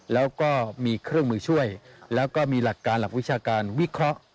แล้วก็มีเครื่องมือช่วยแล้วก็มีหลักการหลักวิชาการวิเคราะห์